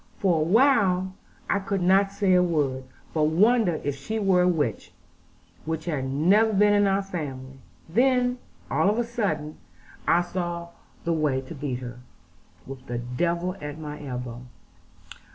For a while I could not say a word, but wondered if she were a witch, which had never been in our family: and then, all of a sudden, I saw the way to beat her, with the devil at my elbow.